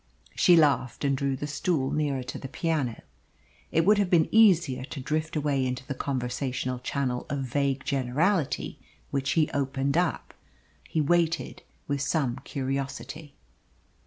She laughed and drew the stool nearer to the piano. It would have been easier to drift away into the conversational channel of vague generality which he opened up. He waited with some curiosity.